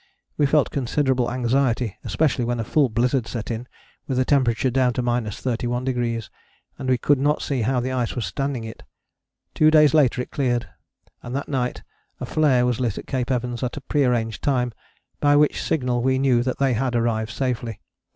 We felt considerable anxiety, especially when a full blizzard set in with a temperature down to 31°, and we could not see how the ice was standing it. Two days later it cleared, and that night a flare was lit at Cape Evans at a pre arranged time, by which signal we knew that they had arrived safely.